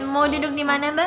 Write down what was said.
mau duduk dimana mbak